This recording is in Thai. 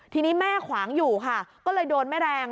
ทีนี้แม่ขวางอยู่ค่ะก็เลยโดนแม่แรง